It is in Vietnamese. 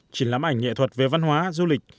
chỉnh lãm ảnh nghệ thuật về văn hóa du lịch